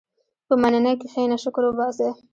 په مننې کښېنه، شکر وباسه.